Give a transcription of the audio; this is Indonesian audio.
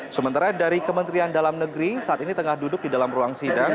sementara dari kementerian dalam negeri saat ini tengah duduk di dalam ruang sidang